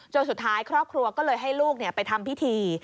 สุดท้ายครอบครัวก็เลยให้ลูกไปทำพิธี